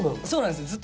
そうなんです